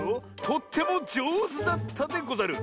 とってもじょうずだったでござる。